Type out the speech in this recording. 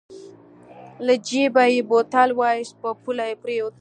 له جېبه يې بوتل واېست په پوله پرېوت.